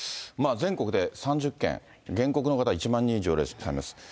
全国で３０件、原告の方、１万人以上いらっしゃいます。